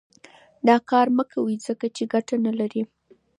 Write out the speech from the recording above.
دا کار مه کوئ ځکه چې ګټه نه لري.